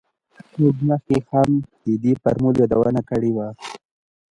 موږ مخکې هم د دې فورمول یادونه کړې وه